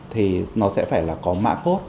thì nó sẽ phải là có mạng cốt